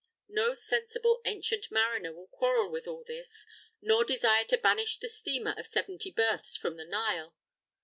No sensible ancient mariner will quarrel with all this, nor desire to banish the steamer of seventy berths from the Nile.